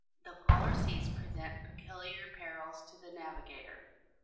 ] The polar seas present peculiar perils to the navigator.